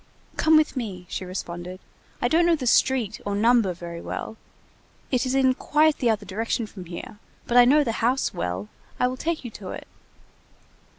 "Come with me," she responded. "I don't know the street or number very well; it is in quite the other direction from here, but I know the house well, I will take you to it."